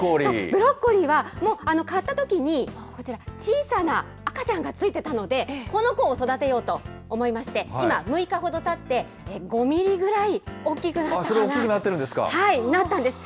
ブロッコリーは、もう買ったときに、こちら、小さな赤ちゃんがついてたので、その子を育てようと思いまして、今、６日ほどたって、５ミリくらい大それ、大きくなってるんですなったんです。